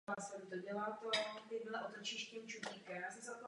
Během svého života měl četné problémy se zákonem.